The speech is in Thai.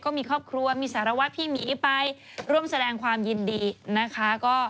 ก็มีครอบครัวมีสารวัตรพี่หมีไปร่วมแสดงความยินดีนะคะ